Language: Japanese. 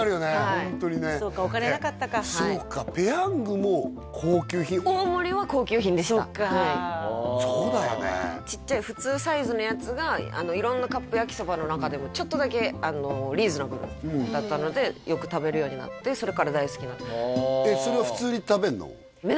ホントにねそうかお金なかったかはいそうかペヤングも高級品そっかそうだよねちっちゃい普通サイズのやつが色んなカップ焼きそばの中でもちょっとだけリーズナブルだったのでよく食べるようになってそれから大好きになってあえっそれは普通に食べるの？